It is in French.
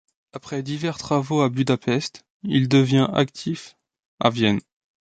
Après divers travaux à Budapest il devient actif à Vienne.